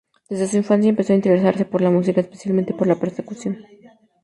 Desde su infancia empezó a interesarse por la música, especialmente por la percusión.